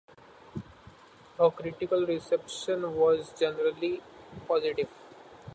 Her critical reception was generally positive.